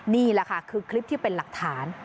นี่แหละค่ะคือคลิปที่เป็นหลักฐาน